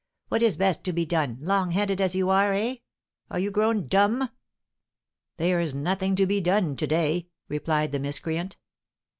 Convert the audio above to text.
"What is best to be done, long headed as you are, eh? Are you grown dumb?" "There's nothing to be done to day," replied the miscreant.